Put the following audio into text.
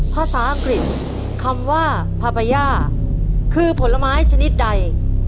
ภาษาอังกฤษคำว่าพาบาย่าคือผลไม้ชนิดใด